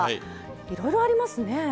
いろいろありますね。